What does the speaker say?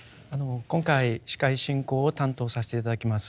今回司会進行を担当させて頂きます